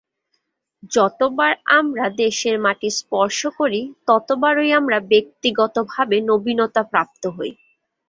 যতবার আমরা দেশের মাটি স্পর্শ করি, ততবারই আমরা ব্যক্তিগতভাবে নবীনতা প্রাপ্ত হই।